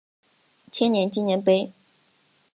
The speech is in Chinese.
千年纪念碑。